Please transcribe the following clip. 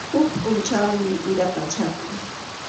Huk pʼunchawmi ira pachapi.